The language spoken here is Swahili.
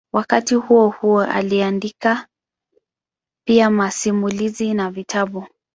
Wakati huohuo aliandika pia masimulizi na vitabu.